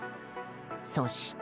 そして。